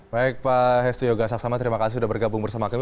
baik pak hestu yoga saksama terima kasih sudah bergabung bersama kami